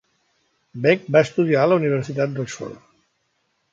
Bek va estudiar a la Universitat d'Oxford.